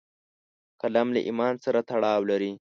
قلم له ایمان سره تړاو لري